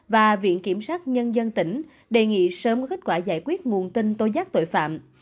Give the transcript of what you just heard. và viện kiểm sát nhân dân tỉnh đề nghị sớm kết quả giải quyết nguồn tin tố giác tội phạm